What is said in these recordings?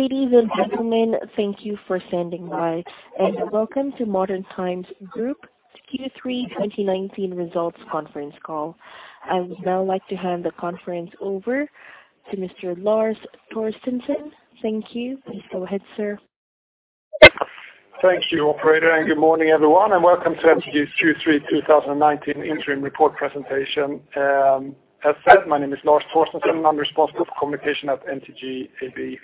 Ladies and gentlemen, thank you for standing by. Welcome to Modern Times Group's Q3 2019 results conference call. I would now like to hand the conference over to Mr. Lars Torstensson. Thank you. Please go ahead, sir. Thank you, operator. Good morning, everyone, and welcome to MTG's Q3 2019 interim report presentation. As said, my name is Lars Torstensson. I'm responsible for communication at MTG AB.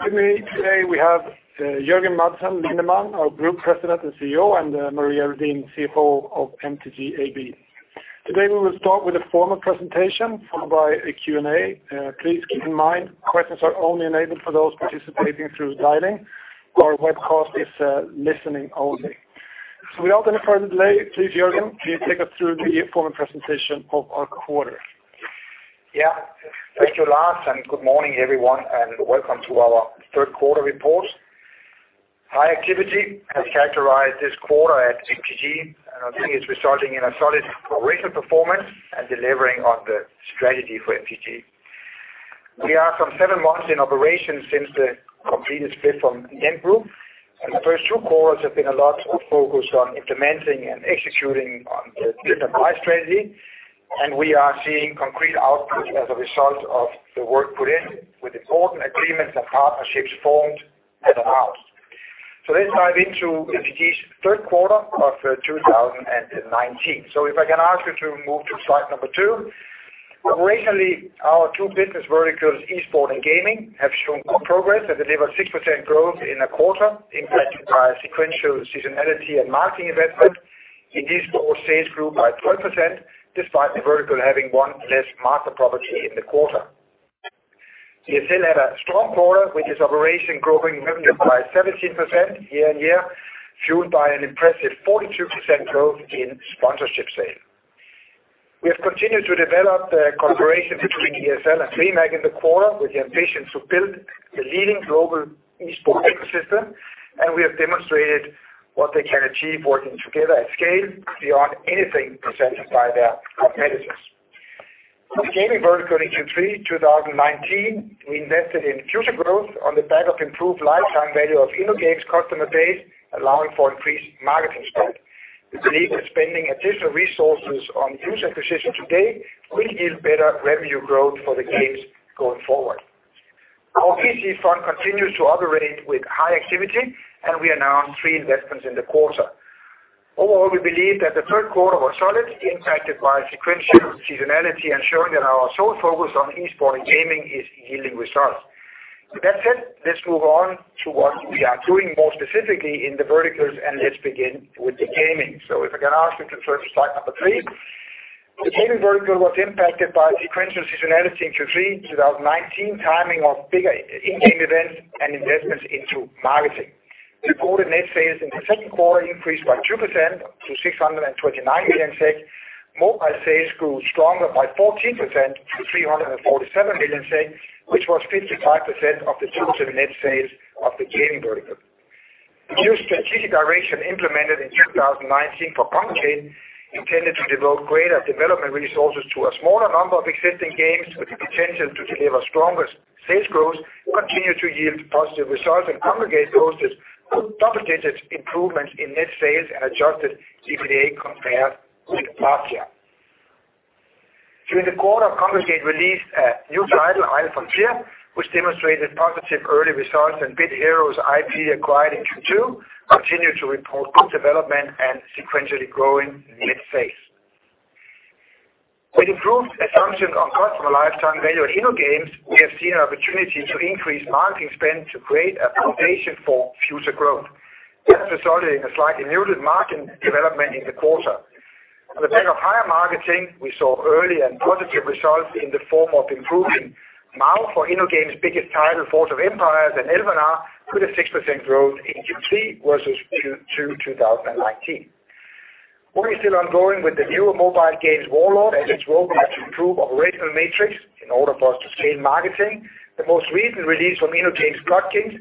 With me today we have Jørgen Madsen Lindemann, our Group President and CEO, and Maria Redin, CFO of MTG AB. Today we will start with a formal presentation followed by a Q&A. Please keep in mind questions are only enabled for those participating through dialing. Our webcast is listening only. Without any further delay, please, Jørgen, can you take us through the formal presentation of our quarter? Thank you, Lars, and good morning, everyone, and welcome to our third quarter report. High activity has characterized this quarter at MTG, and I think it's resulting in a solid operational performance and delivering on the strategy for MTG. We are from seven months in operation since the completed split from the MT group, and the first two quarters have been a lot of focus on implementing and executing on the split division strategy, and we are seeing concrete output as a result of the work put in with important agreements and partnerships formed as announced. Let's dive into MTG's third quarter of 2019. If I can ask you to move to slide number two. Originally, our two business verticals, Esports and gaming, have shown good progress and delivered 6% growth in a quarter impacted by sequential seasonality and marketing investment. In esports, sales grew by 12%, despite the vertical having one less market property in the quarter. ESL had a strong quarter with its operation growing revenue by 17% year-on-year, fueled by an impressive 42% growth in sponsorship sales. We have continued to develop the cooperation between ESL and DreamHack in the quarter with the ambitions to build the leading global esports ecosystem. We have demonstrated what they can achieve working together at scale beyond anything presented by their competitors. In the gaming vertical in Q3 2019, we invested in future growth on the back of improved lifetime value of InnoGames customer base, allowing for increased marketing spend. We believe that spending additional resources on user acquisition today will yield better revenue growth for the games going forward. Our VC fund continues to operate with high activity. We announced three investments in the quarter. Overall, we believe that the third quarter was solid, impacted by sequential seasonality and showing that our sole focus on esports and gaming is yielding results. With that said, let's move on to what we are doing more specifically in the verticals. Let's begin with the gaming. If I can ask you to turn to slide number 3. The gaming vertical was impacted by sequential seasonality in Q3 2019, timing of bigger in-game events, and investments into marketing. The quarter net sales in the second quarter increased by 2% to 629 million SEK. Mobile sales grew stronger by 14% to 347 million SEK, which was 55% of the total net sales of the gaming vertical. The new strategic direction implemented in 2019 for Kongregate intended to devote greater development resources to a smaller number of existing games with the potential to deliver stronger sales growth continued to yield positive results, and Kongregate posted double-digit improvements in net sales and adjusted EBITDA compared with last year. During the quarter, Kongregate released a new title, Iron Frontier, which demonstrated positive early results and Bit Heroes IP acquired in Q2 continued to report good development and sequentially growing net sales. With improved assumption on customer lifetime value at InnoGames, we have seen an opportunity to increase marketing spend to create a foundation for future growth. That resulted in a slightly muted margin development in the quarter. On the back of higher marketing, we saw early and positive results in the form of improving MAU for InnoGames' biggest title, Forge of Empires and Elvenar, with a 6% growth in Q3 versus Q2 2019. Work is still ongoing with the newer mobile games Warlords of Aternum, as its role is to improve operational metrics in order for us to scale marketing. The most recent release from InnoGames, God Kings,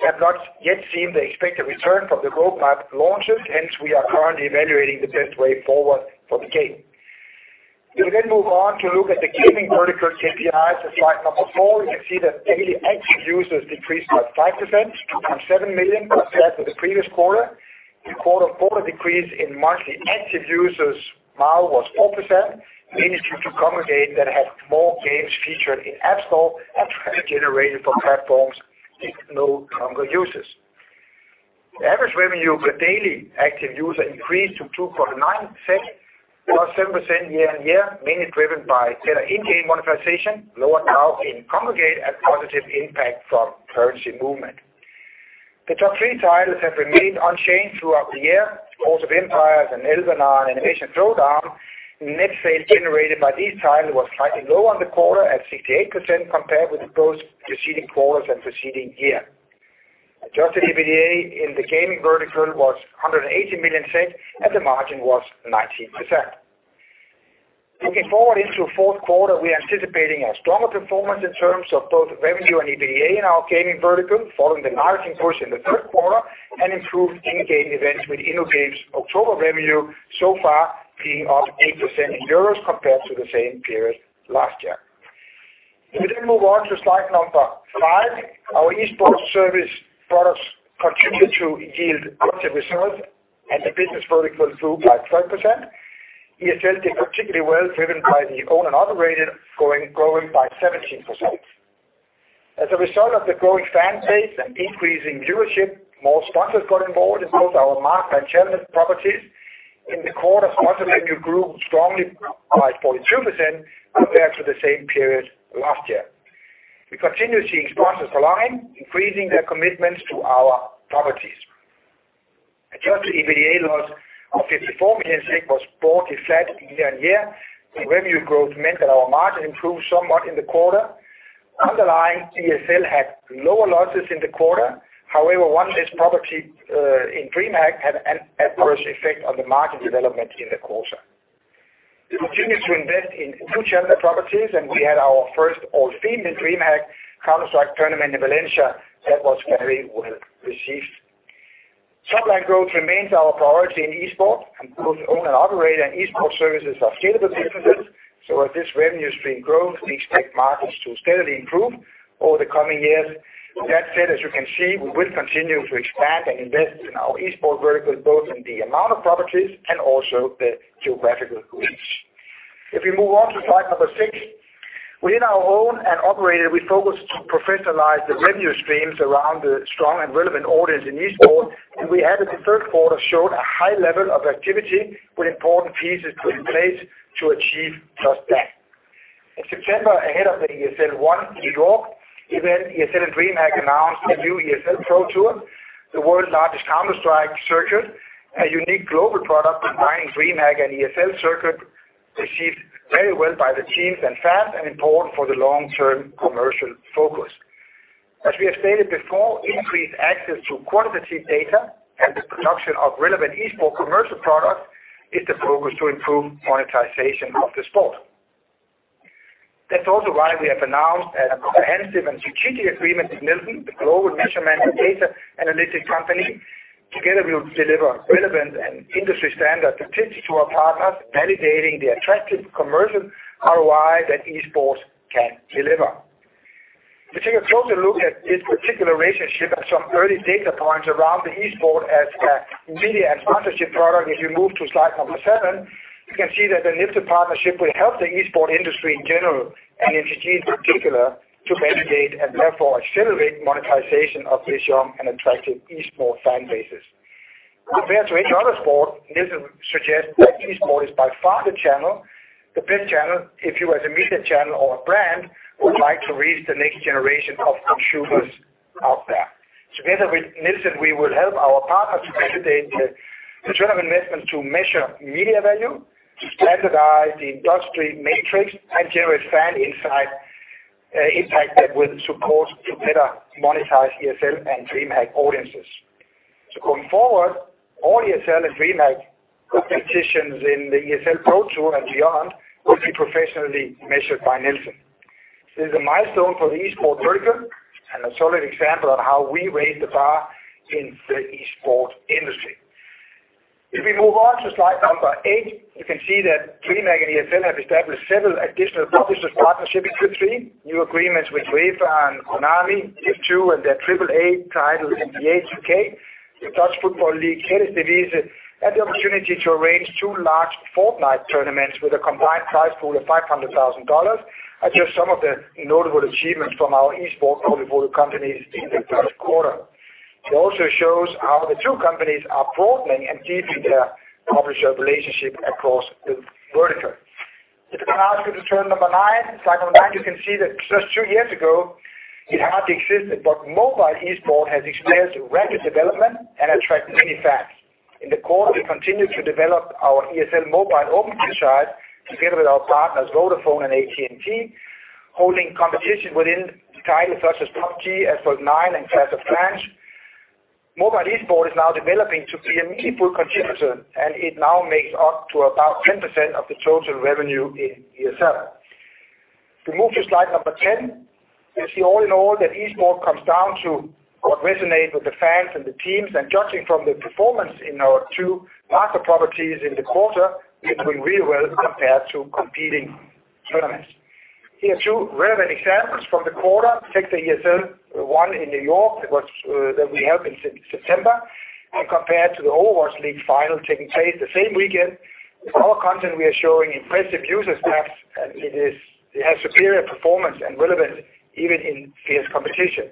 have not yet seen the expected return from the growth market launches, hence we are currently evaluating the best way forward for the game. We will move on to look at the gaming vertical KPIs on slide number four. You can see that daily active users decreased by 5% to 27 million compared with the previous quarter. The quarter-over-quarter decrease in monthly active users MAU was 4%, mainly due to Kongregate that had more games featured in App Store and traffic generated from platforms with no longer users. The average revenue per daily active user increased to 2.9, plus 7% year-on-year, mainly driven by better in-game monetization, lower MAU in Kongregate, and positive impact from currency movement. The top three titles have remained unchanged throughout the year, Forge of Empires and Elvenar and Innovation Slowdown. Net sales generated by these titles was slightly low on the quarter at 68% compared with both preceding quarters and preceding year. Adjusted EBITDA in the gaming vertical was 180 million, and the margin was 19%. Looking forward into fourth quarter, we are anticipating a stronger performance in terms of both revenue and EBITDA in our gaming vertical following the marketing push in the third quarter and improved in-game events with InnoGames' October revenue so far being up 8% in EUR compared to the same period last year. If we then move on to slide number five, our esports service products continued to yield positive results, and the business vertical grew by 12%. ESL did particularly well driven by the owned and operated growing by 17%. As a result of the growing fan base and increasing viewership, more sponsors got involved in both our marked and challenged properties. In the quarter, sponsor revenue grew strongly by 42% compared to the same period last year. We continue seeing sponsors align, increasing their commitments to our properties. Adjusted EBITDA loss of SEK 54 million was broadly flat year-on-year. Revenue growth meant that our margin improved somewhat in the quarter. Underlying ESL had lower losses in the quarter, however, one less property in DreamHack had an adverse effect on the margin development in the quarter. We continued to invest in two channel properties. We had our first all-female DreamHack Counter-Strike tournament in Valencia that was very well received. Top-line growth remains our priority in esports. Both owned and operated and esports services are scalable businesses, as this revenue stream grows, we expect margins to steadily improve over the coming years. That said, as you can see, we will continue to expand and invest in our esports vertical, both in the amount of properties and also the geographical reach. If we move on to slide number six. Within our owned and operated, we focus to professionalize the revenue streams around the strong and relevant audience in esports, and we had the third quarter showed a high level of activity with important pieces put in place to achieve just that. In September, ahead of the ESL One New York event, ESL and DreamHack announced a new ESL Pro Tour, the world's largest Counter-Strike circuit, a unique global product combining DreamHack and ESL circuit, received very well by the teams and fans, and important for the long-term commercial focus. As we have stated before, increased access to quantitative data and the production of relevant esports commercial products is the focus to improve monetization of the sport. That's also why we have announced a comprehensive and strategic agreement with Nielsen, the global measurement and data analytics company. Together we'll deliver relevant and industry-standard statistics to our partners, validating the attractive commercial ROI that esports can deliver. If you take a closer look at this particular relationship and some early data points around the esports as a media sponsorship product, if you move to slide number seven, you can see that the Nielsen partnership will help the esports industry in general, and MTG in particular, to validate and therefore accelerate monetization of this young and attractive esports fan bases. Compared to any other sport, Nielsen suggests that esports is by far the best channel if you as a media channel or a brand would like to reach the next generation of consumers out there. Together with Nielsen, we will help our partners to validate the return on investment to measure media value, to standardize the industry metrics, and generate fan impact that will support to better monetize ESL and DreamHack audiences. Going forward, all ESL and DreamHack competitions in the ESL Pro Tour and beyond will be professionally measured by Nielsen. This is a milestone for the Esports vertical and a solid example of how we raise the bar in the Esports industry. If we move on to slide number eight, you can see that DreamHack and ESL have established several additional publishers partnership in Q3, new agreements with UEFA and Konami, EF2 and their AAA title in the U.K., the Dutch Football League Eredivisie, and the opportunity to arrange two large Fortnite tournaments with a combined prize pool of $500,000 are just some of the notable achievements from our esports portfolio companies in the third quarter. It also shows how the two companies are broadening and deepening their publisher relationship across the vertical. If we can ask you to turn to slide number nine, you can see that just two years ago, it hardly existed, but mobile esports has experienced rapid development and attract many fans. In the quarter, we continued to develop our ESL Mobile Open initiative together with our partners, Vodafone and AT&T, holding competition within titles such as PUBG, Asphalt 9, and Clash of Clans. It now makes up to about 10% of the total revenue in ESL. If we move to slide number 10, you see all in all that esports comes down to what resonate with the fans and the teams, judging from the performance in our two larger properties in the quarter, it's doing really well compared to competing tournaments. Here are two relevant examples from the quarter. Take the ESL One in New York that we held in September, compared to the Overwatch League final taking place the same weekend. With our content, we are showing impressive user stats, and it has superior performance and relevance even in fierce competition.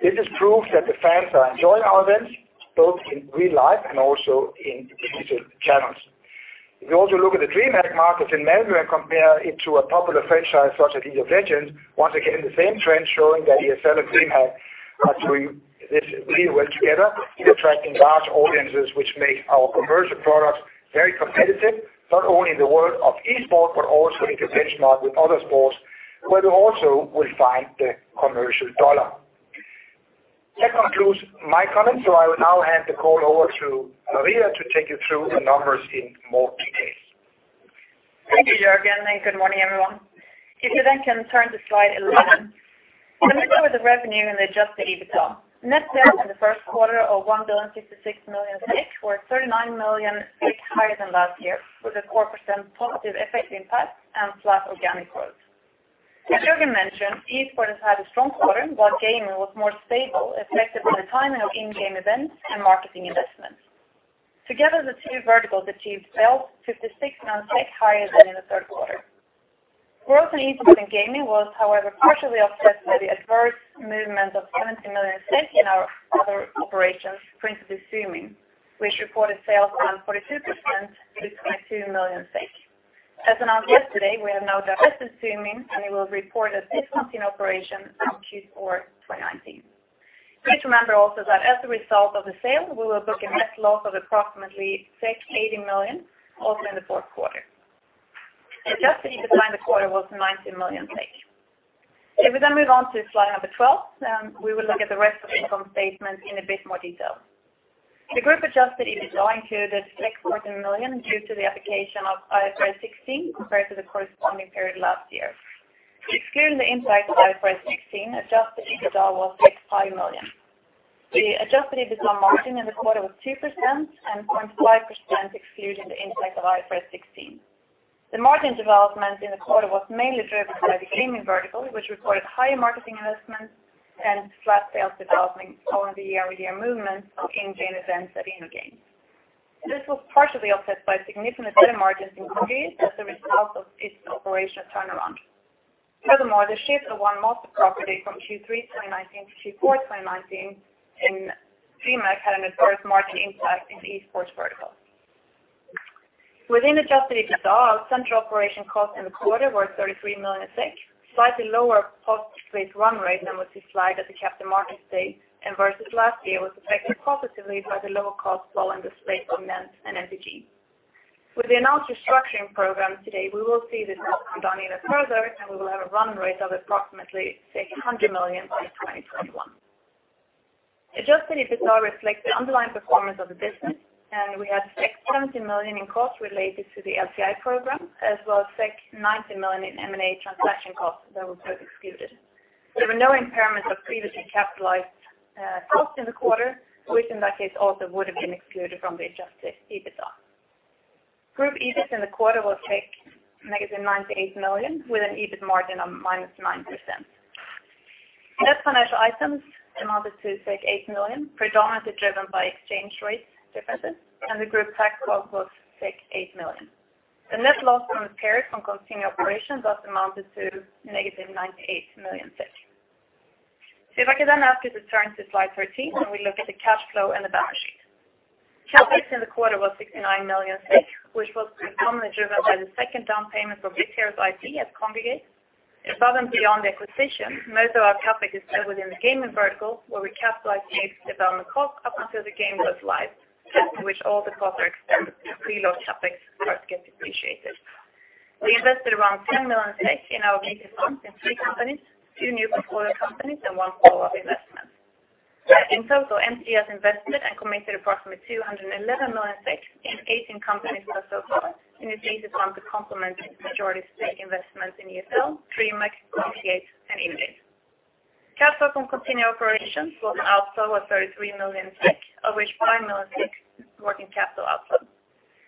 This is proof that the fans are enjoying our events both in real life and also in digital channels. If you also look at the DreamHack Masters in November and compare it to a popular franchise such as League of Legends, once again, the same trend showing that ESL and DreamHack are doing this really well together in attracting large audiences, which make our commercial products very competitive, not only in the world of esports, but also if you benchmark with other sports, where you also will find the commercial dollar. That concludes my comments. I will now hand the call over to Maria to take you through the numbers in more detail. Thank you, Jørgen, and good morning, everyone. If you then can turn to slide 11. Let me go over the revenue and the adjusted EBITDA. Net sales in the first quarter of 1,066 million, or 39 million higher than last year, with a core % positive FX impact and flat organic growth. As Jørgen mentioned, Esports had a strong quarter while gaming was more stable, affected by the timing of in-game events and marketing investments. Together, the two verticals achieved sales 56 million higher than in the third quarter. Growth and interest in gaming was, however, partially offset by the adverse movement of 70 million in our other operations, principally Zoomin, which reported sales down 42%, to 22 million. As announced yesterday, we have now divested Zoomin, and it will report as discontinuing operation from Q4 2019. Please remember also that as a result of the sale, we will book a net loss of approximately 80 million also in the fourth quarter. Adjusted EBITDA in the quarter was 19 million. If we move on to slide number 12, we will look at the rest of the income statement in a bit more detail. The group-adjusted EBITDA included 400 million due to the application of IFRS 16 compared to the corresponding period last year. Excluding the impact of IFRS 16, adjusted EBITDA was 5 million. The adjusted EBITDA margin in the quarter was 2% and 0.5% excluding the impact of IFRS 16. The margin development in the quarter was mainly driven by the gaming vertical, which recorded higher marketing investments and flat sales development following the year-over-year movements of in-game events at InnoGames. This was partially offset by significant lower margins in Kongregate as a result of its operational turnaround. Furthermore, the shift of 1 Master property from Q3 2019 to Q4 2019 in DreamHack had an adverse margin impact in the Esports vertical. Within adjusted EBITDA, central operation costs in the quarter were 33 million SEK, slightly lower cost base run rate than what you saw at the Capital Markets Day, and versus last year was affected positively by the lower cost following the sale of NENT and MTG. With the announced restructuring program today, we will see this come down even further, and we will have a run rate of approximately 100 million by 2021. Adjusted EBITDA reflects the underlying performance of the business. We had 70 million in costs related to the LTI program, as well as 90 million in M&A transaction costs that were both excluded. There were no impairments of previously capitalized costs in the quarter, which in that case also would have been excluded from the adjusted EBITDA. Group EBIT in the quarter was negative 98 million, with an EBIT margin of -9%. Net financial items amounted to 8 million, predominantly driven by exchange rate differences, and the group tax cost was 8 million. The net loss from the period from continuing operations thus amounted to negative 98 million. If I could then ask you to turn to slide 13. We look at the cash flow and the balance sheet. CapEx in the quarter was 69 million, which was predominantly driven by the second down payment for Bit Heroes' IP at Kongregate. Above and beyond the acquisition, most of our CapEx is spent within the gaming vertical, where we capitalize game development cost up until the game goes live, after which all the costs are expensed, and pre-launch CapEx starts to get depreciated. We invested around 10 million in our thesis fund in three companies, two new portfolio companies and one follow-up investment. In total, MTG has invested and committed approximately 211 million in 18 companies thus so far, in its thesis fund to complement its majority stake investments in ESL, DreamHack, Kongregate, and InnoGames. Cash flow from continuing operations was also at 33 million, of which 5 million is working capital outflow.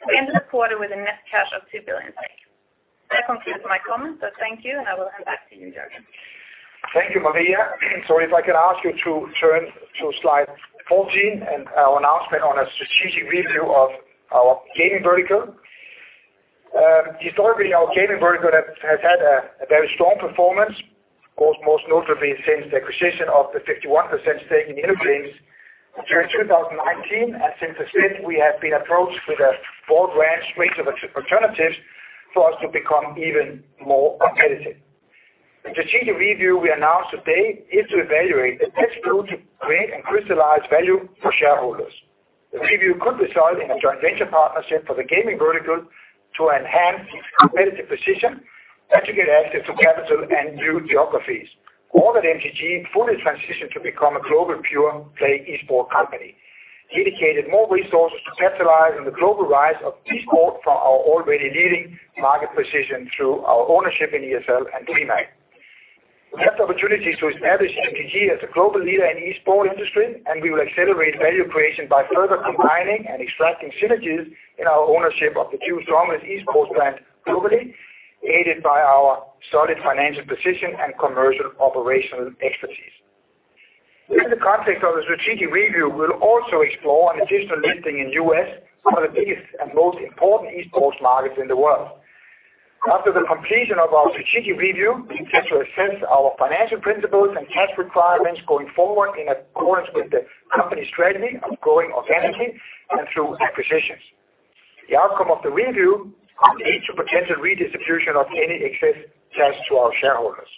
We ended the quarter with a net cash of 2 billion. That concludes my comments. Thank you, and I will hand back to you, Jørgen. Thank you, Maria. If I can ask you to turn to slide 14 and our announcement on a strategic review of our gaming vertical. Historically, our gaming vertical has had a very strong performance, of course, most notably since the acquisition of the 51% stake in InnoGames. During 2019 and since then, we have been approached with a broad range of alternatives for us to become even more competitive. The strategic review we announced today is to evaluate the next move to create and crystallize value for shareholders. The review could result in a joint venture partnership for the gaming vertical to enhance its competitive position and to get access to capital and new geographies, or that MTG fully transition to become a global pure-play Esports company, dedicated more resources to capitalize on the global rise of Esports from our already leading market position through our ownership in ESL and DreamHack. We have the opportunity to establish MTG as a global leader in the Esports industry, and we will accelerate value creation by further combining and extracting synergies in our ownership of the two dominant Esports brands globally, aided by our solid financial position and commercial operational expertise. Within the context of the strategic review, we'll also explore an additional listing in U.S., one of the biggest and most important Esports markets in the world. After the completion of our strategic review, we intend to assess our financial principles and cash requirements going forward in accordance with the company strategy of growing organically and through acquisitions. The outcome of the review could lead to potential redistribution of any excess cash to our shareholders.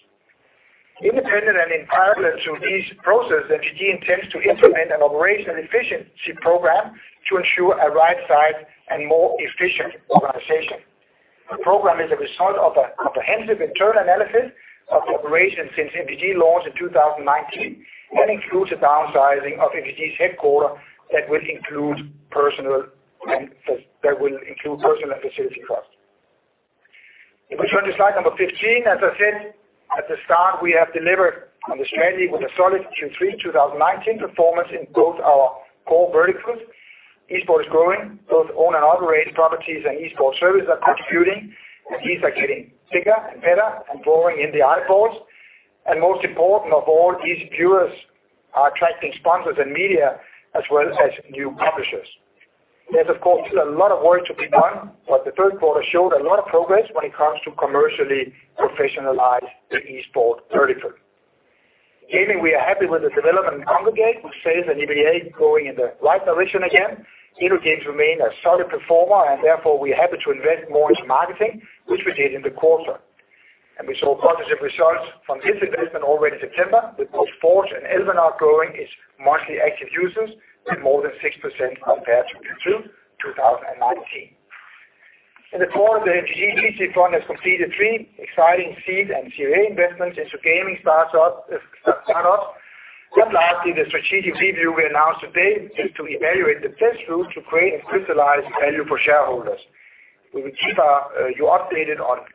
Independent and in parallel to this process, MTG intends to implement an operational efficiency program to ensure a right size and more efficient organization. The program is a result of a comprehensive internal analysis of the operations since MTG launched in 2019 and includes a downsizing of MTG's headquarters that will include personnel and facility costs. If we turn to slide number 15, as I said at the start, we have delivered on the strategy with a solid Q3 2019 performance in both our core verticals. Esports is growing, both own and operated properties and esports services are contributing, and these are getting bigger and better and drawing in the eyeballs. Most important of all, these viewers are attracting sponsors and media as well as new publishers. There's, of course, still a lot of work to be done, but the third quarter showed a lot of progress when it comes to commercially professionalizing the esports vertical. In gaming, we are happy with the development in Kongregate, with sales and EBITDA going in the right direction again. InnoGames remain a solid performer. Therefore, we're happy to invest more into marketing, which we did in the quarter. We saw positive results from this investment already in September, with both Forge and Elvenar growing its monthly active users by more than 6% compared to Q2 2019. In the quarter, the MTG VC fund has completed three exciting seed and Series A investments into gaming startups. The strategic review we announced today is to evaluate the best route to create and crystallize value for shareholders. We will keep you updated on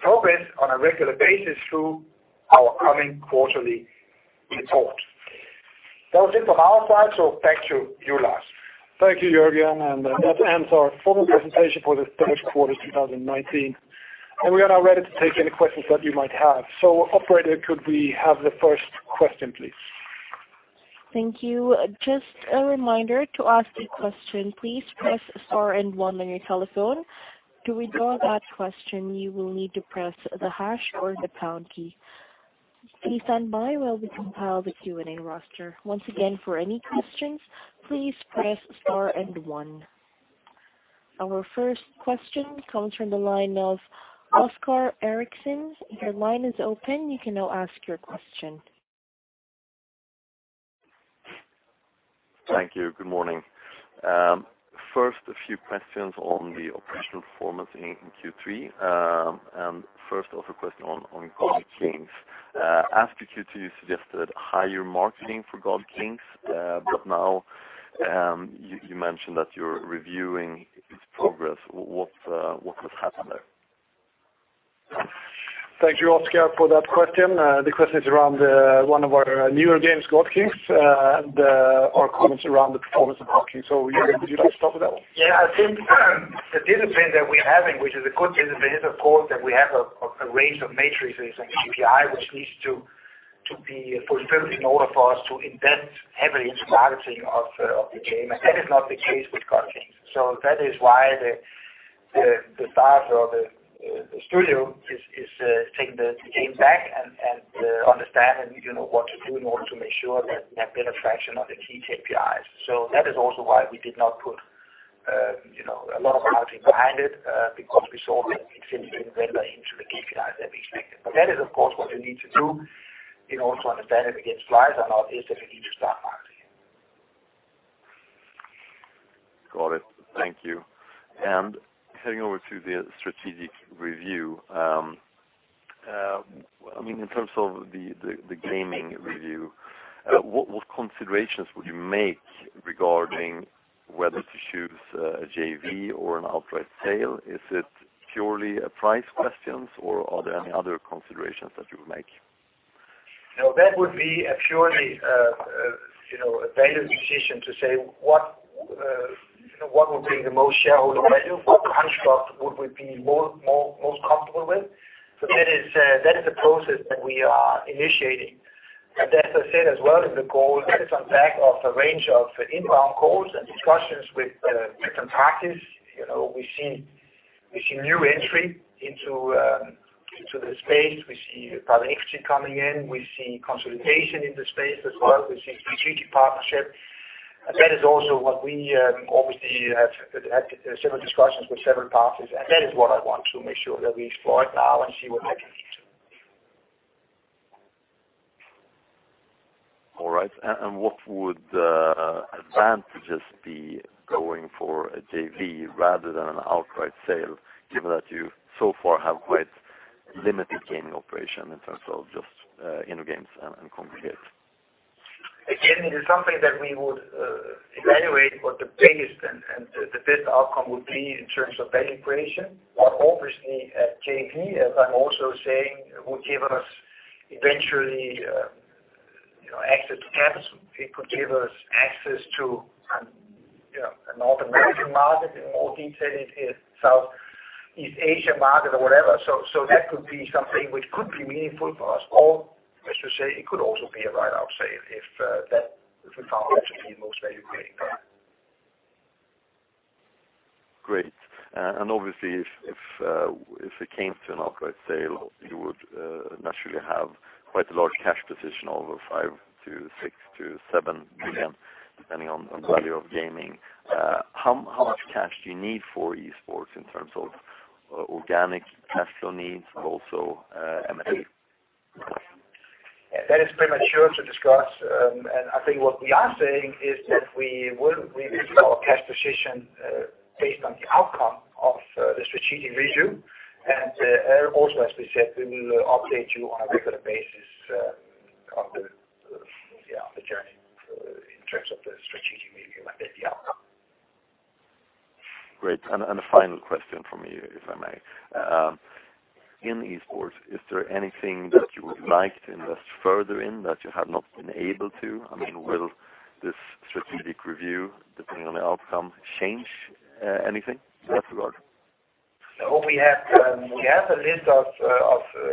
progress on a regular basis through our coming quarterly report. That was it from our side, back to you, Lars. Thank you, Jørgen, that ends our formal presentation for the third quarter 2019. We are now ready to take any questions that you might have. Operator, could we have the first question, please? Thank you. Just a reminder, to ask a question, please press star and one on your telephone. To withdraw that question, you will need to press the hash or the pound key. Please stand by while we compile the Q&A roster. Once again, for any questions, please press star and one. Our first question comes from the line of Oscar Eriksson. Your line is open. You can now ask your question. Thank you. Good morning. First, a few questions on the operational performance in Q3. First off, a question on God Kings. After Q2, you suggested higher marketing for God Kings, now you mentioned that you're reviewing its progress. What has happened there? Thank you, Oscar, for that question. The question is around one of our newer games, God Kings, and our comments around the performance of God Kings. Jørgen, would you like to start with that one? Yeah, I think the discipline that we're having, which is a good discipline, is of course, that we have a range of metrics and KPI which needs to be fulfilled in order for us to invest heavily into marketing of the game. That is not the case with God Kings. That is why the staff of the studio is taking the game back and understand what to do in order to make sure that we have better traction of the key KPIs. That is also why we did not put a lot of marketing behind it, because we saw that we didn't render into the KPIs that we expected. That is, of course, what you need to do in order to understand if the game flies or not, is if you need to start marketing it. Got it. Thank you. Heading over to the strategic review. In terms of the gaming review, what considerations would you make regarding whether to choose a JV or an outright sale? Is it purely a price question, or are there any other considerations that you would make? No, that would be a purely data decision to say what would bring the most shareholder value? What construct would we be most comfortable with? That is a process that we are initiating. As I said as well in the call, that is on back of a range of inbound calls and discussions with different parties. We see new entry into the space. We see private equity coming in. We see consolidation in the space as well. We see strategic partnership. That is also what we obviously have had several discussions with several parties, and that is what I want to make sure that we explore it now and see where that leads. All right. What would the advantages be going for a JV rather than an outright sale, given that you so far have quite limited gaming operation in terms of just InnoGames and Kongregate? Again, it is something that we would evaluate what the biggest and the best outcome would be in terms of value creation. Obviously a JV, as I'm also saying, would give us eventually access to capital. It could give us access to a North American market, in more detail in Southeast Asia market or whatever. That could be something which could be meaningful for us. Let's just say it could also be a write-off sale if we found that to be the most value creating. Great. Obviously if it came to an outright sale, you would naturally have quite a large cash position of over 5 billion-7 billion, depending on the value of gaming. How much cash do you need for esports in terms of organic cash flow needs and also M&A? That is premature to discuss. I think what we are saying is that we will review our cash position based on the outcome of the strategic review. Also, as we said, we will update you on a regular basis on the Great. A final question from me, if I may. In esports, is there anything that you would like to invest further in that you have not been able to? Will this strategic review, depending on the outcome, change anything in that regard? We have a list of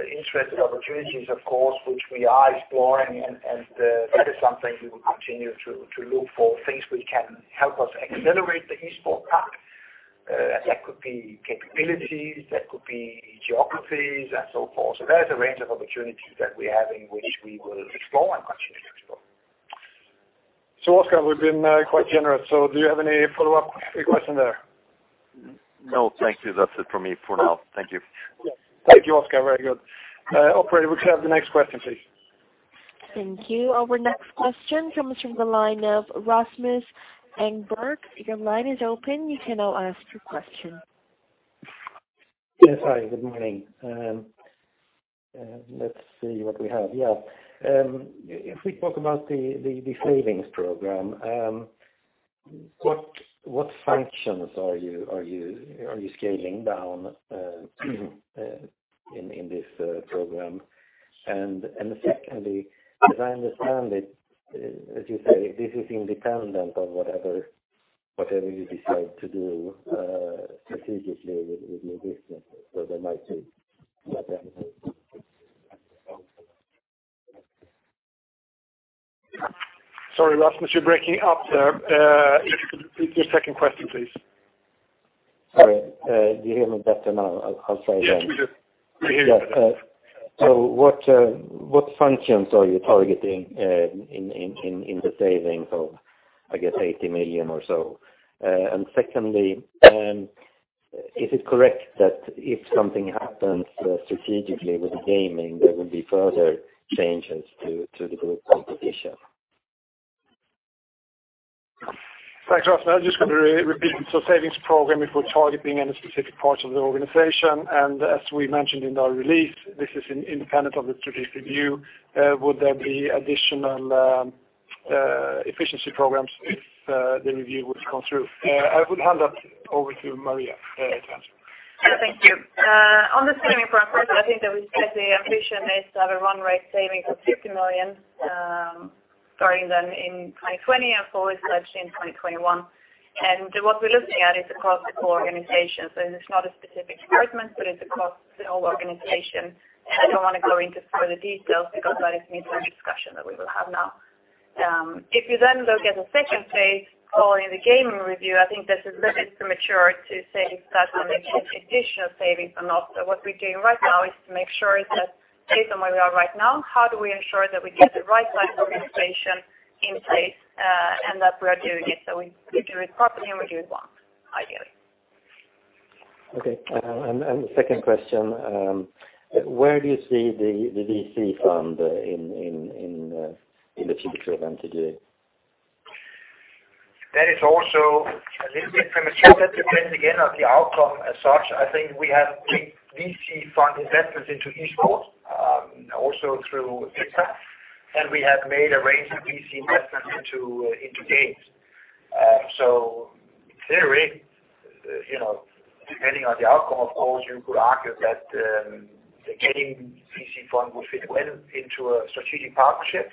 interesting opportunities, of course, which we are exploring, and that is something we will continue to look for, things which can help us accelerate the esport path. That could be capabilities, that could be geographies and so forth. There is a range of opportunities that we have in which we will explore and continue to explore. Oscar, we've been quite generous. Do you have any follow-up question there? No, thank you. That's it from me for now. Thank you. Thank you, Oscar. Very good. Operator, could we have the next question, please? Thank you. Our next question comes from the line of Rasmus Engberg. Your line is open. You can now ask your question. Yes. Hi, good morning. Let's see what we have. If we talk about the savings program, what functions are you scaling down in this program? Secondly, as I understand it, as you say, this is independent of whatever you decide to do strategically with New Business. Sorry, Rasmus, you're breaking up, sir. If you could repeat your second question, please. Sorry. Do you hear me better now? I'll say again. Yes, we do. We hear you. What functions are you targeting in the savings of, I guess, 80 million or so? Secondly, is it correct that if something happens strategically with gaming, there will be further changes to the group composition? Thanks, Rasmus. I'm just going to repeat. Savings program, if we're targeting any specific parts of the organization, and as we mentioned in our release, this is independent of the strategic review. Would there be additional efficiency programs if the review would come through? I would hand that over to Maria to answer. Thank you. On the savings program, firstly, I think that we said the ambition is to have a run rate saving of 50 million, starting then in 2020 and forward actually in 2021. What we're looking at is across the whole organization. It is not a specific department, but it's across the whole organization. I don't want to go into further details because that is mid-term discussion that we will have now. If you then look at the second phase or in the gaming review, I think this is a little bit premature to say if that will make additional savings or not. What we're doing right now is to make sure that based on where we are right now, how do we ensure that we get the right type of organization in place, and that we are doing it, so we do it properly and we do it once, ideally. Okay. The second question, where do you see the VC fund in the future of MTG? That is also a little bit premature. That depends again on the outcome as such. I think we have made VC fund investments into esports, also through SANA. We have made a range of VC investments into games. In theory, depending on the outcome, of course, you could argue that the gaming VC fund would fit well into a strategic partnership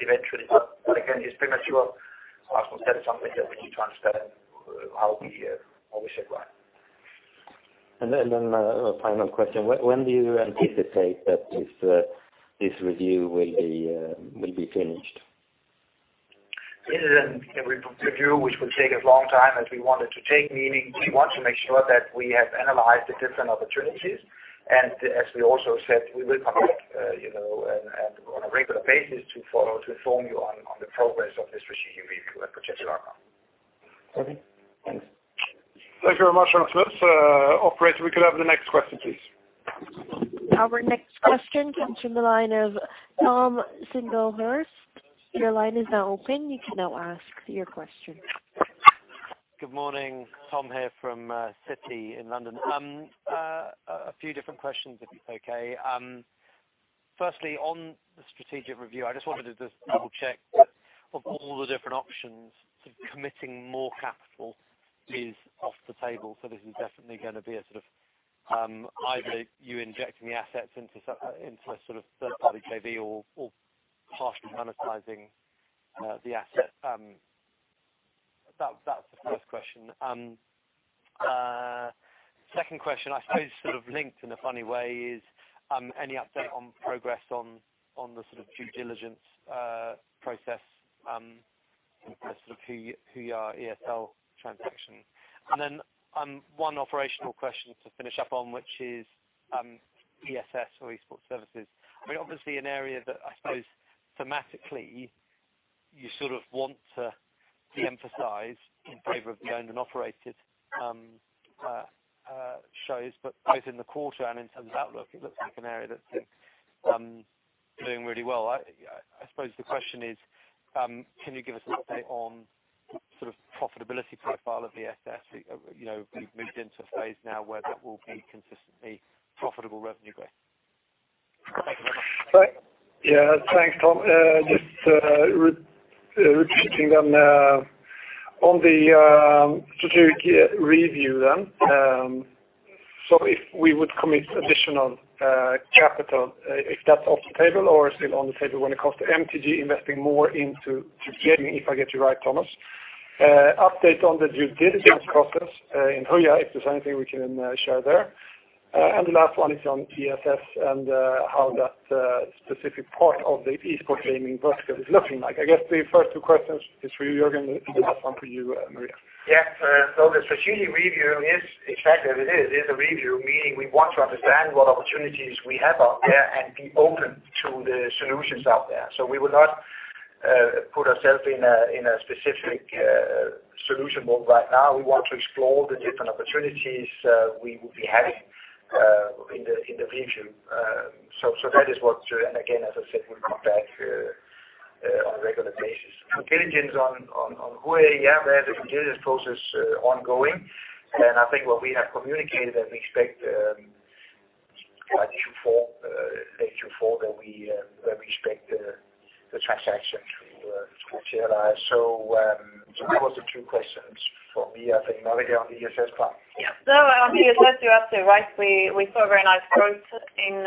eventually. Again, it's premature. Rasmus said something that we need to understand how we shape that. A final question. When do you anticipate that this review will be finished? This is a review which will take as long time as we want it to take, meaning we want to make sure that we have analyzed the different opportunities, and as we also said, we will come back on a regular basis to inform you on the progress of the strategic review and potential outcome. Okay, thanks. Thank you very much, Rasmus. Operator, we could have the next question, please. Our next question comes from the line of Thomas Singlehurst. Your line is now open. You can now ask your question. Good morning. Tom here from Citi in London. A few different questions, if it's okay. Firstly, on the strategic review, I just wanted to double-check that of all the different options, committing more capital is off the table. This is definitely going to be a sort of either you injecting the assets into a third-party JV or partially monetizing the asset. That's the first question. Second question, I suppose sort of linked in a funny way is, any update on progress on the due diligence process in terms of who your ESL transaction. One operational question to finish up on, which is ESS or Esports Services. Obviously an area that I suppose thematically, you sort of want to de-emphasize in favor of owned and operated shows, but both in the quarter and in terms of outlook, it looks like an area that's doing really well. I suppose the question is, can you give us an update on sort of profitability profile of ESL? We've moved into a phase now where that will be consistently profitable revenue base. Yeah. Thanks, Tom. Just repeating then on the strategic review then. If we would commit additional capital, if that's off the table or still on the table when it comes to MTG investing more into gaming, if I get you right, Thomas. Update on the due diligence process in Huya, if there's anything we can share there. The last one is on ESS and how that specific part of the Esports gaming vertical is looking like. I guess the first two questions is for you, Jørgen, and then the last one for you, Maria. Yeah. The strategic review is exactly as it is a review, meaning we want to understand what opportunities we have out there and be open to the solutions out there. We will not put ourself in a specific solution mode right now. We want to explore the different opportunities we will be having in the future. That is what, and again, as I said, we will come back on a regular basis. Due diligence on Huya, we have the due diligence process ongoing, and I think what we have communicated that we expect by Q4 that we expect the transaction to materialize. Those are two questions for me. I think now we go on the ESS part. On ESL, you are too right. We saw very nice growth in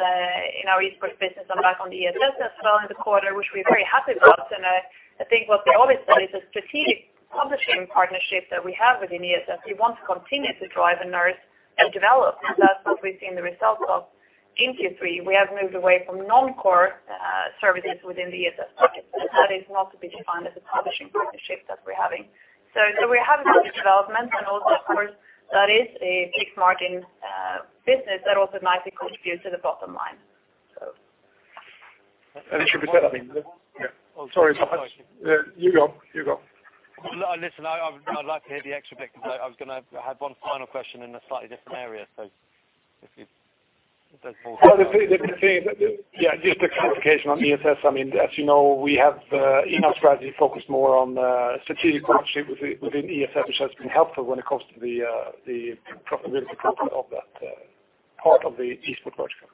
our Esports business and back on the ESL as well in the quarter, which we're very happy about. I think what we always said is a strategic publishing partnership that we have within ESL, we want to continue to drive and nurse and develop. That's what we've seen the results of in Q3. We have moved away from non-core services within the ESL package, and that is not to be defined as a publishing partnership that we're having. We have healthy development and also of course, that is a big margin business that also nicely contributes to the bottom line. It should be said, yeah. Sorry, Thomas. You go. Listen, I'd like to hear the extra bit because I was going to have one final question in a slightly different area. If you don't mind. Just a clarification on ESS. As you know, we have in our strategy focused more on strategic partnership within ESS, which has been helpful when it comes to the profitability of that part of the Esports vertical.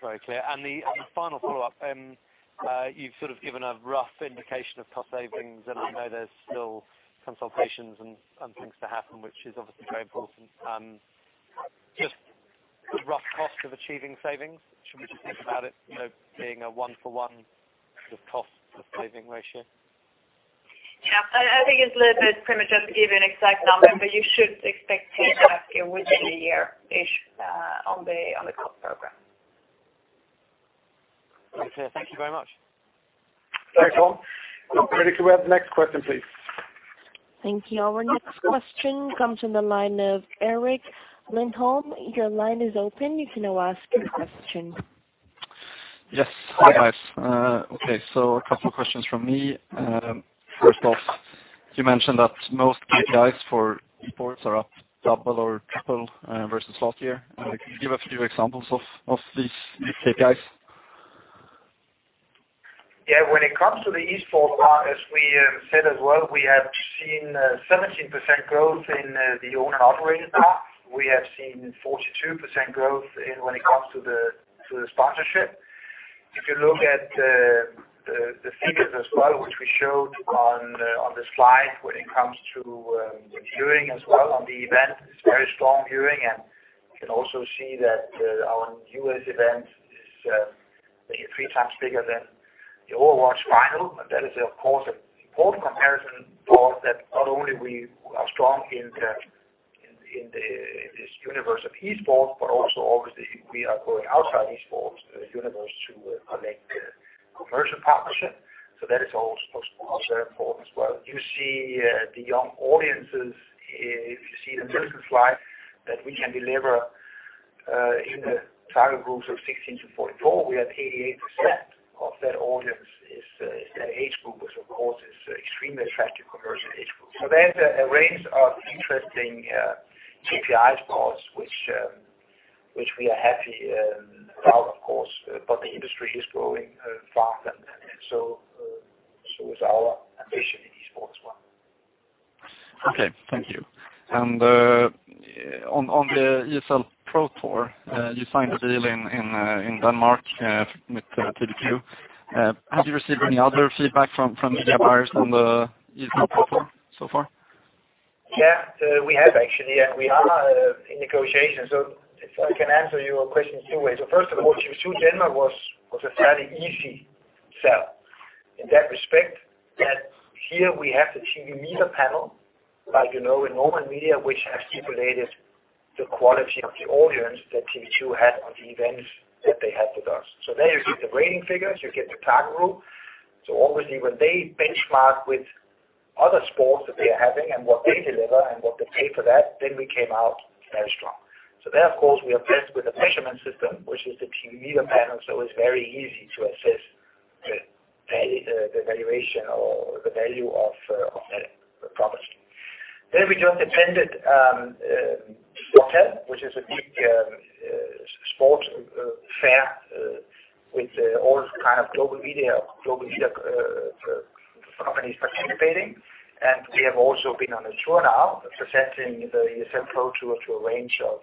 Very clear. The final follow-up, you've sort of given a rough indication of cost savings, and I know there's still consultations and things to happen, which is obviously very important. Just the rough cost of achieving savings. Should we just think about it being a one for one sort of cost to saving ratio? Yeah. I think it's a little bit premature to give you an exact number, but you should expect to have it within a year-ish on the cost program. Very clear. Thank you very much. Thanks, Tom. Operator, could we have the next question, please? Thank you. Our next question comes from the line of Erik Lindholm. Your line is open. You can now ask your question. Yes. Hi, guys. Okay, two questions from me. First off, you mentioned that most KPIs for Esports are up double or triple versus last year. Can you give a few examples of these KPIs? Yeah. When it comes to the Esports part, as we said as well, we have seen 17% growth in the owner operated part. We have seen 42% growth when it comes to the sponsorship. If you look at the figures as well, which we showed on the slide when it comes to viewing as well on the event, it's very strong viewing, and you can also see that our newest event is three times bigger than the Overwatch Final. That is of course an important comparison for that not only we are strong in this universe of Esports, but also obviously we are going outside Esports universe to collect commercial partnership. That is also important as well. You see the young audiences. If you see the previous slide that we can deliver in the target groups of 16 to 44, we have 88% of that audience is that age group, which of course is extremely attractive commercial age group. There's a range of interesting KPIs parts which we are happy and proud, of course. The industry is growing fast and so is our ambition in Esports as well. Okay. Thank you. On the ESL Pro Tour, you signed a deal in Denmark with TV 2. Have you received any other feedback from media buyers on the ESL Pro Tour so far? Yeah. We have actually, and we are in negotiation. If I can answer your question two ways. First of all, TV 2 Denmark was a fairly easy sell in that respect, that here we have the TV meter panel, like you know in normal media, which has stipulated the quality of the audience that TV 2 had on the events that they had with us. There you get the rating figures, you get the target group. Obviously when they benchmark with other sports that they are having and what they deliver and what they pay for that, then we came out very strong. There, of course, we are blessed with a measurement system, which is the TV meter panel, so it's very easy to assess the valuation or the value of that promise. We just attended SPORTEL, which is a big sports fair with all kind of global media companies Companies participating, and we have also been on a tour now presenting the ESL Pro Tour to a range of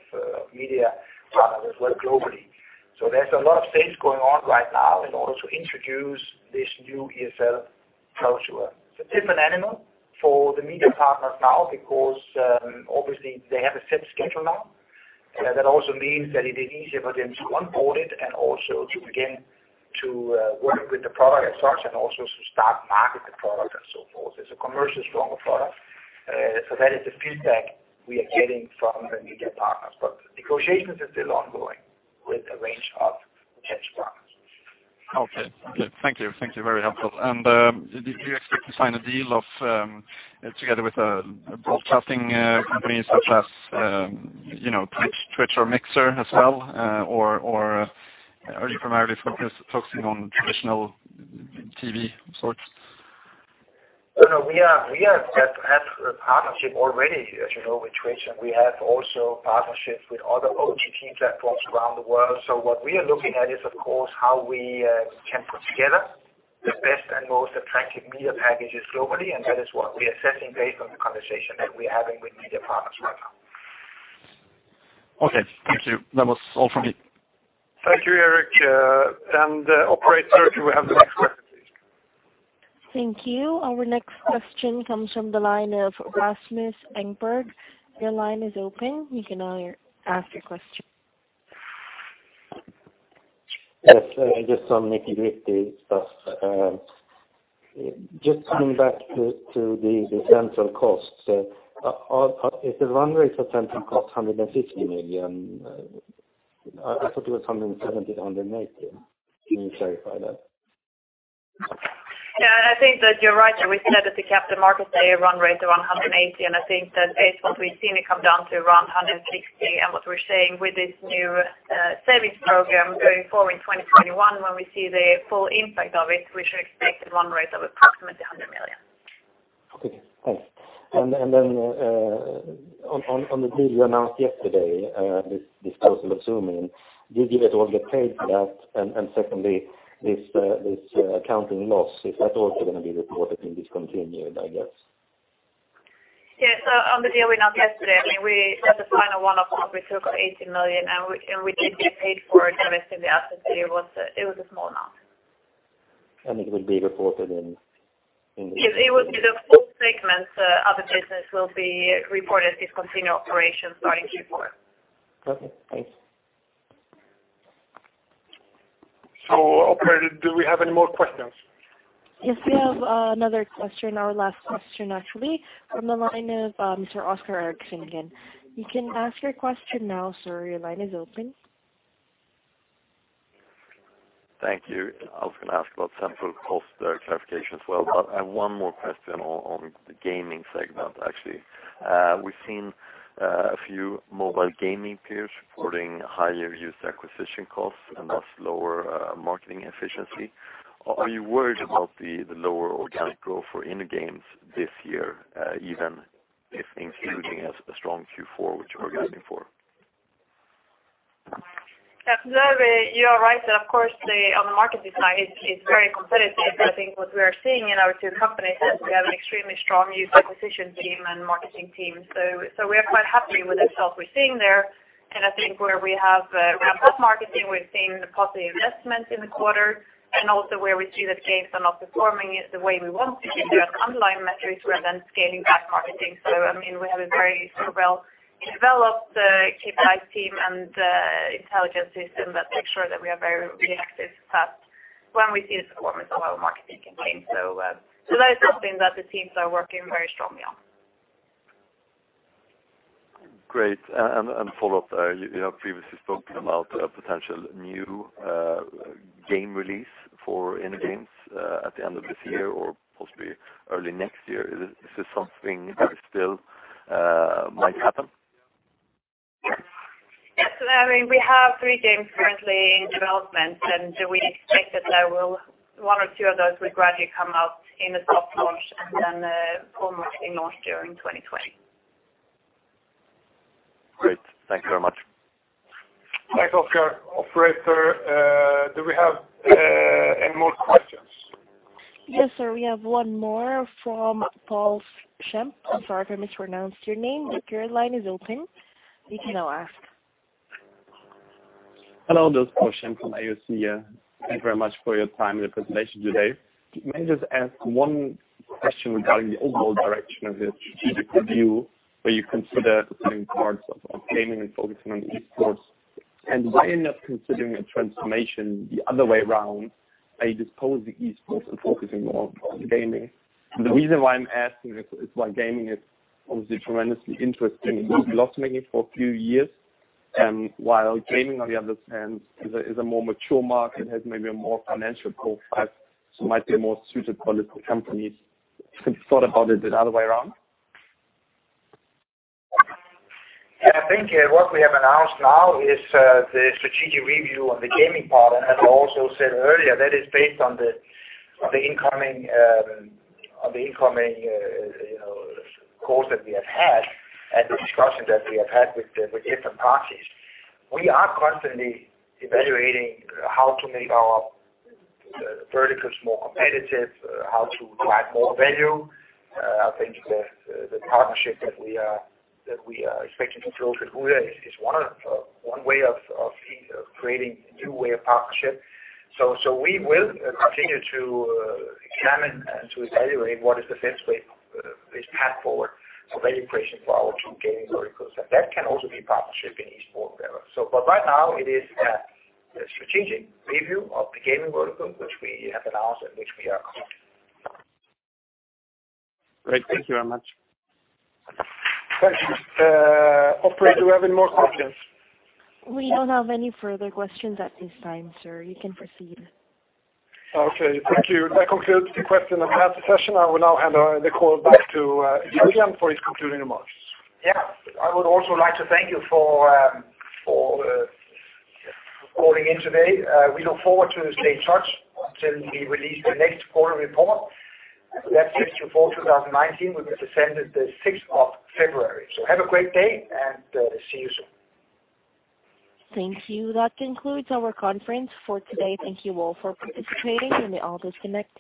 media partners as well globally. There's a lot of things going on right now in order to introduce this new ESL Pro Tour. It's a different animal for the media partners now because obviously they have a set schedule now. That also means that it is easier for them to onboard it and also to begin to work with the product as such and also to start to market the product and so forth. It's a commercially stronger product. That is the feedback we are getting from the media partners. Negotiations are still ongoing with a range of potential partners. Okay. Thank you. Very helpful. Do you expect to sign a deal together with broadcasting companies such as Twitch or Mixer as well? Or are you primarily focusing on traditional TV sorts? No, we have had a partnership already, as you know, with Twitch, and we have also partnerships with other OTT platforms around the world. What we are looking at is, of course, how we can put together the best and most attractive media packages globally, and that is what we are assessing based on the conversation that we're having with media partners right now. Okay, thank you. That was all from me. Thank you, Erik. Operator, can we have the next question, please? Thank you. Our next question comes from the line of Rasmus Engberg. Your line is open. You can now ask your question. Yes, just on nitty-gritty stuff. Just coming back to the central costs. If the run rate for central cost 150 million, I thought it was 170 million, 180 million. Can you clarify that? Yeah, I think that you're right. We said at the Capital Markets Day a run rate of around 180 million, and I think that based on what we've seen, it come down to around 160 million. What we're saying with this new service program going forward in 2021, when we see the full impact of it, we should expect a run rate of approximately 100 million. Okay, thanks. On the deal you announced yesterday, this disposal of Zoomin, did you get all the paid for that? Secondly, this accounting loss, is that also going to be reported in discontinued, I guess? Yes. On the deal we announced yesterday, that's a final one-off. We took 18 million, and we did get paid for it. Basically, the asset deal, it was a small amount. It will be reported in- It will be the full segment. Other business will be reported as discontinued operations starting Q4. Okay, thanks. Operator, do we have any more questions? We have another question, our last question, actually, from the line of Mr. Oscar Eriksson again. You can ask your question now, sir. Your line is open. Thank you. I was going to ask about central cost clarification as well. I have one more question on the gaming segment, actually. We've seen a few mobile gaming peers reporting higher user acquisition costs and thus lower marketing efficiency. Are you worried about the lower organic growth for InnoGames this year, even if including a strong Q4, which you are guiding for? Absolutely. You are right that, of course, on the marketing side, it's very competitive. I think what we are seeing in our two companies is we have an extremely strong user acquisition team and marketing team. We are quite happy with the results we're seeing there. I think where we have ramped up marketing, we're seeing a positive investment in the quarter. Also where we see that games are not performing the way we want to see the underlying metrics, we are then scaling back marketing. We have a very well-developed KPIs team and intelligence system that makes sure that we are very reactive when we see the performance of our marketing campaigns. That is something that the teams are working very strongly on. Great. Follow up, you have previously spoken about a potential new game release for InnoGames at the end of this year or possibly early next year. Is this something that still might happen? Yes. We have three games currently in development, and we expect that one or two of those will gradually come out in a soft launch and then formally launch during 2020. Great. Thank you very much. Thanks, Oscar. Operator, do we have any more questions? Yes, sir, we have one more from Paul Schempp. I'm sorry if I mispronounced your name, but your line is open. You can now ask. Hello, this is Paul Schempp from AOC. Thank you very much for your time and the presentation today. May I just ask one question regarding the overall direction of the strategic review where you consider selling parts of gaming and focusing on esports, why end up considering a transformation the other way around by disposing esports and focusing more on gaming? The reason why I'm asking is while gaming is obviously tremendously interesting, it's been loss-making for a few years, while esports, on the other hand, is a more mature market, has maybe a more financial profile, so might be more suited for listed companies. Have you thought about it the other way around? I think what we have announced now is the strategic review on the gaming part. As I also said earlier, that is based on the incoming calls that we have had and the discussions that we have had with different parties. We are constantly evaluating how to make our verticals more competitive, how to derive more value. I think the partnership that we are expecting to close with Huya is one way of creating a new way of partnership. We will continue to examine and to evaluate what is the best way, best path forward for value creation for our two gaming verticals. That can also be a partnership in esports there. Right now it is a strategic review of the gaming vertical, which we have announced and which we are conducting. Great. Thank you very much. Thanks. Operator, do we have any more questions? We don't have any further questions at this time, sir. You can proceed. Okay, thank you. That concludes the question and answer session. I will now hand the call back to Jørgen for his concluding remarks. Yeah. I would also like to thank you for calling in today. We look forward to staying in touch until we release the next quarter report. That's Q4 2019, which will be sent the 6th of February. Have a great day, and see you soon. Thank you. That concludes our conference for today. Thank you all for participating. You may all disconnect now.